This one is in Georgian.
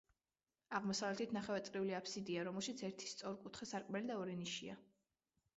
აღმოსავლეთით ნახევარწრიული აფსიდია, რომელშიც ერთი სწორკუთხა სარკმელი და ორი ნიშია.